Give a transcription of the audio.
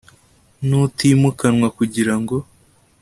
n utimukanwa kugira ngo